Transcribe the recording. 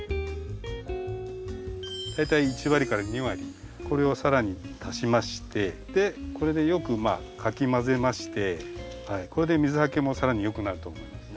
大体１割２割これを更に足しましてこれでよくかき混ぜましてこれで水はけも更によくなると思います。